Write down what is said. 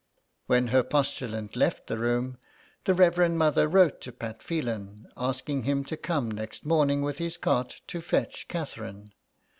When her postulant left the room, the Reverend Mother wrote to Pat Phelan, asking him to come next morning with his cart to fetch Catherine.